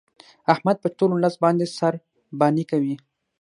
احمد په ټول ولس باندې سارباني کوي.